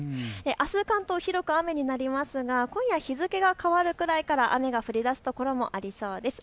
あす関東広く雨になりますが今夜日付が変わるくらいから雨が降りだす所もありそうです。